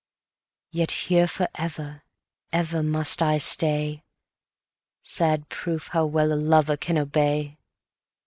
170 Yet here for ever, ever must I stay; Sad proof how well a lover can obey!